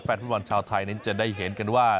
แฟนประวัติภัณฑ์ชาวไทยจะได้เห็นกันว่า